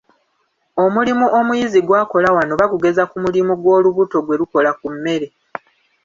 Omulimu omuyizi gw'akola wano bagugeza ku mulimo gw'olubuto gwe lukola ku mmere.